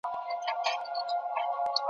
شمع مړه سوه جهاني محفل تمام سو `